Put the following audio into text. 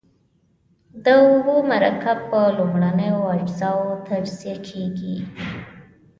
د اوبو مرکب په لومړنیو اجزاوو تجزیه کیږي.